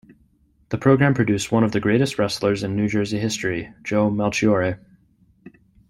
The program produced one of the greatest wrestlers in New Jersey history, Joe Melchiore.